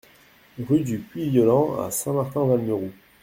Rue du Puy Violent à Saint-Martin-Valmeroux